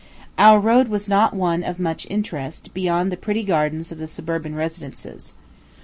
Our road was not one of much interest, beyond the pretty gardens of the suburban residences.